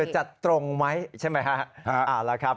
จัดตรงไหมใช่ไหมครับ